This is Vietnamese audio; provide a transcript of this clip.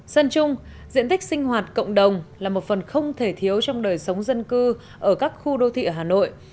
sơn trung diện tích sinh hoạt cộng đồng là một phần không thể thiếu trong đời sống dân cư ở các khu đô thị ở hà nội